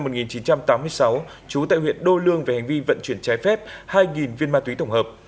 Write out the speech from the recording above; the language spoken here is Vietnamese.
trong năm một nghìn chín trăm tám mươi sáu trú tại huyện đô lương về hành vi vận chuyển trái phép hai viên ma túy tổng hợp